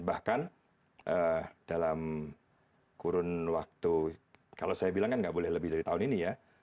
bahkan dalam kurun waktu kalau saya bilang kan nggak boleh lebih dari tahun ini ya